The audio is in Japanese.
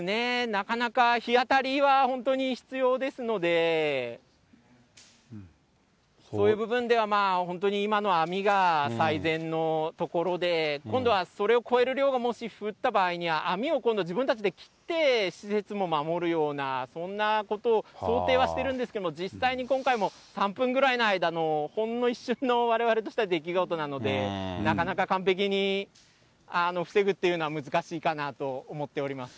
なかなか、日当たりは本当に必要ですので、そういう部分では、本当に今の網が最善のところで、今度はそれを超える量がもし、降った場合には、網を今度、自分たちで切って、施設も守るような、そんなことを想定はしてるんですけれども、実際に今回も３分ぐらいの間の、ほんの一瞬の、われわれとしては出来事なので、なかなか完璧に防ぐっていうのは、難しいかなぁと思っております。